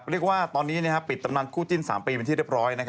เรียกว่าตอนนี้ปิดตำนานคู่จิ้น๓ปีเป็นที่เรียบร้อย